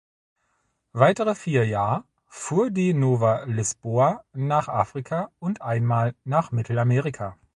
Weitere vier Jahr fuhr die "Nova Lisboa" nach Afrika und einmal nach Mittelamerika.